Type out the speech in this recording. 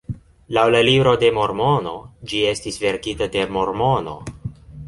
Laŭ la Libro de Mormono, ĝi estis verkita de Mormono.